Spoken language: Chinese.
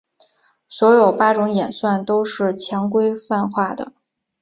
所有八种演算都是强规范化的。